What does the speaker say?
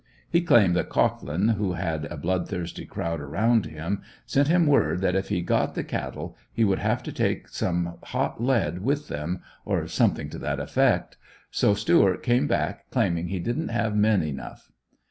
He claimed that Cohglin, who had a blood thirsty crowd around him, sent him word that if he got the cattle he would have to take some hot lead with them, or something to that effect. So Stuart came back, claiming he didn't have men enough.